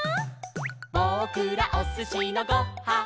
「ぼくらおすしのご・は・ん」